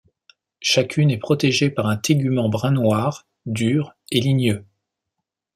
Chacune est protégée par un tégument brun noir, dur, et ligneux.